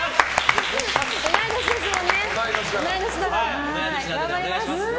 同い年だから頑張ります！